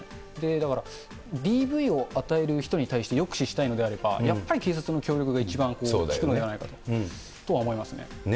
だから、ＤＶを与える人に対して抑止したいのであれば、やっぱり警察の協力が一番聞くのではないかとは思いますね。